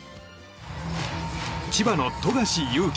千葉の富樫勇樹。